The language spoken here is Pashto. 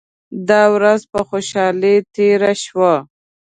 دا ورځ په خوشالۍ تیره شوه.